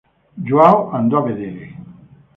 João andò a vedere.